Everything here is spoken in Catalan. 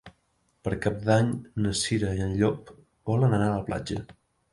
Per Cap d'Any na Cira i en Llop volen anar a la platja.